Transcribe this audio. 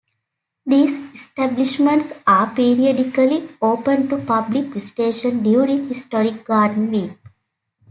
These establishments are periodically open to public visitation during Historic Garden Week.